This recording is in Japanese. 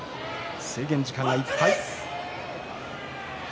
制限時間いっぱい。